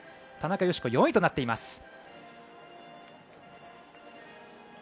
田中佳子、４位となっています。